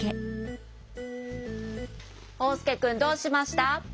おうすけくんどうしました？